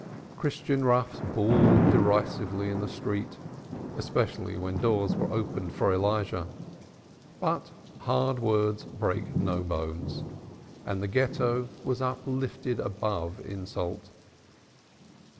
Christian roughs bawled derisively in the street, especially when doors were opened for Elijah; but hard words break no bones, and the Ghetto was uplifted above insult.